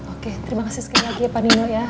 oke terima kasih sekali lagi ya pak nino ya